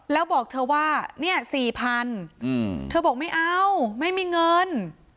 แล้วบอกเธอว่าเนี่ย๔๐๐๐เธอบอกไม่เอาไม่มีเงิน